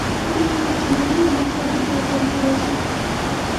بیا یې وویل چې ماڼۍ او موږ ټول بیرته وطن ته یوسه.